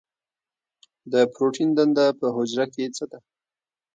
د پروټین دنده په حجره کې څه ده؟